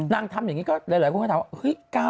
ทำอย่างนี้ก็หลายคนก็ถามว่าเฮ้ย